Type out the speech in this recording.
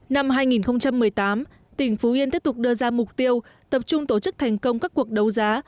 năm hai nghìn một mươi tám tỉnh phú yên tiếp tục đưa ra mục tiêu tập trung tổ chức thành công các cuộc đấu giá